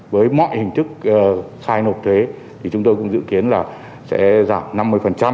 với mọi hình thức khai nộp thuế thì chúng tôi cũng dự kiến là sẽ giảm năm mươi